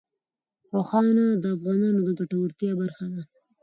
ښارونه د افغانانو د ګټورتیا برخه ده.